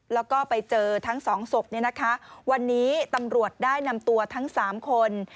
แล้วก็ไปเจอทั้งสองศพเนี่ยนะคะวันนี้ตำรวจได้นำตัวทั้งสามคน